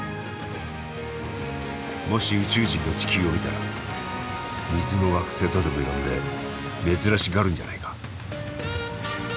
もし宇宙人が地球を見たら「水の惑星」とでも呼んで珍しがるんじゃないか？